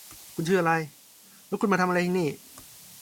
คุณชื่ออะไร และคุณมาทำอะไรที่นี่